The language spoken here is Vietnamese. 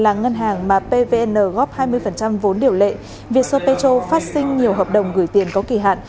là ngân hàng mà pvn góp hai mươi vốn điều lệ vietso petro phát sinh nhiều hợp đồng gửi tiền có kỳ hạn